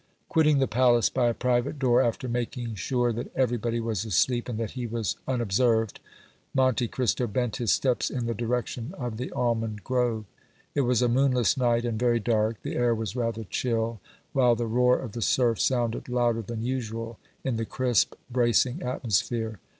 Quitting the palace by a private door, after making sure that everybody was asleep and that he was unobserved, Monte Cristo bent his steps in the direction of the almond grove. It was a moonless night and very dark; the air was rather chill, while the roar of the surf sounded louder than usual in the crisp, bracing atmosphere.